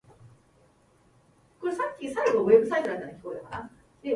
俺はこやまゆうご。Lock のジャンリだ。先週はインフルエンザにかかってしまった、、、